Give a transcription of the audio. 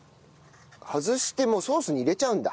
外してもうソースに入れちゃうんだ。